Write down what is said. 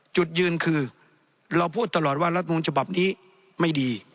จุดยืนคือเราพูดตลอดว่ารัฐมนุนฉบับนี้ไม่ดี